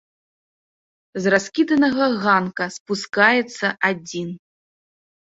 З раскіданага ганка спускаецца адзін.